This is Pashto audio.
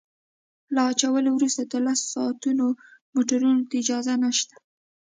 له اچولو وروسته تر لسو ساعتونو موټرو ته اجازه نشته